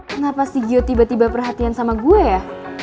kenapa sih gio tiba tiba perhatian sama gue ya